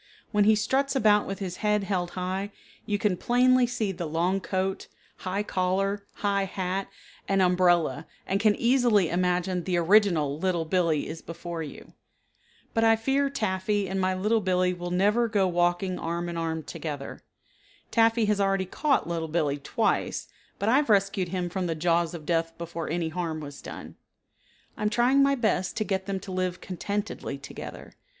When he struts about with his head held high you can plainly see the long coat, high collar, high hat, and umbrella and can easily imagine the original Little Billee is before you. But I fear Taffy and my Little Billee will never go walking arm and arm together. Taffy has already caught Little Billee twice, but I have rescued him from the jaws of death before any harm was done. I am trying my best to get them to live contentedly together.